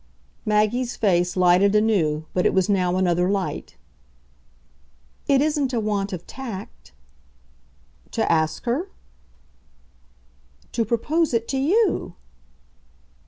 Maggie's face lighted anew, but it was now another light. "It isn't a want of tact?" "To ask her?" "To propose it to you."